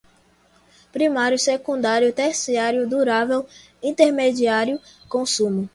primário, secundário, terciário, durável, intermediário, consumo